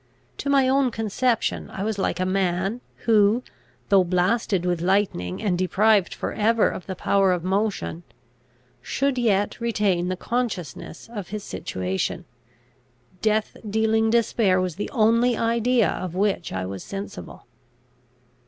To my own conception I was like a man, who, though blasted with lightning, and deprived for ever of the power of motion, should yet retain the consciousness of his situation. Death dealing despair was the only idea of which I was sensible.